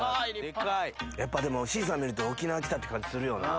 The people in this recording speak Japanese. やっぱでもシーサー見ると沖縄来たって感じするよな。